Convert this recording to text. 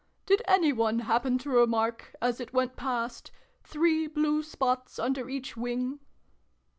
Did any one happen to remark as it went past three blue spots under each wing?"